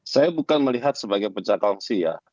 saya bukan melihat sebagai pecah kongsi ya